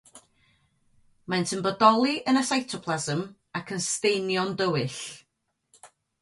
Maent yn bodoli yn y cytoplasm ac yn staenio'n dywyll.